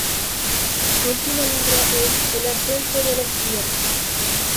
Su último libro es "El Ascenso de la Izquierda.